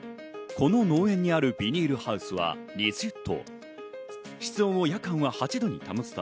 この農園にあるビニールハウスは、２０棟。